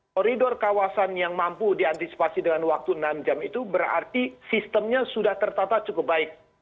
koridor kawasan yang mampu diantisipasi dengan waktu enam jam itu berarti sistemnya sudah tertata cukup baik